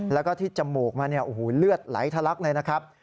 แล้วก็ที่จมูกมาเนี่ยโอ้โหเลือดไหลทะลักเลยนะครับ